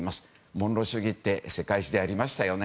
モンロー主義って、世界史でやりましたよね。